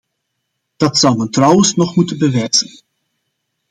Dat zou men trouwens nog moeten bewijzen.